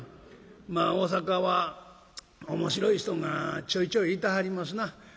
まあ大阪は面白い人がちょいちょいいてはりますな。